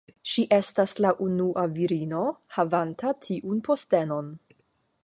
Ŝi estas la unua virino havanta tiun postenon.